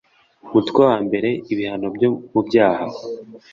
umutwe wa mbere ibihano byo mu byaha